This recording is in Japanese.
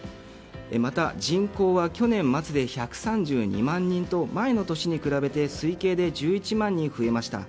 また、人口は去年末で１３２万人と前の年に比べて推計１１万人増えました。